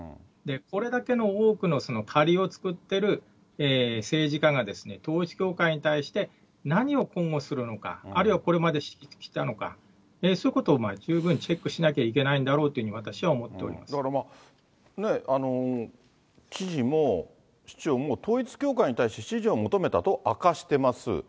これだけの多くの借りを作ってる政治家が、統一教会に対して、何を今後するのか、あるいはこれまでしてきたのか、そういうことを十分チェックしなきゃいけないんだろうというふうだから、知事も、市長も、統一教会に対して支持を求めたと明かしてます。